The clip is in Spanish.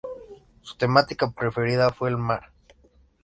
Su temática preferida fue el mar.